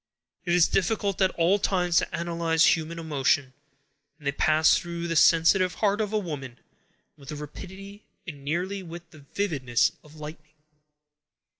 It is difficult at all times to analyze human emotions, and they pass through the sensitive heart of a woman with the rapidity and nearly with the vividness of lightning.